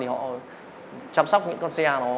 họ chăm sóc những con xe